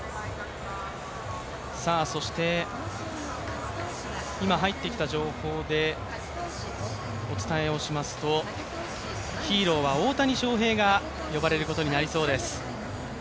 そして今入ってきた情報でお伝えしますと、ヒーローは大谷翔平が呼ばれることになりそうです。